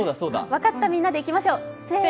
わかったみんなでいきましょう。